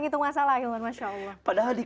ngitung masalah hilman masya allah padahal di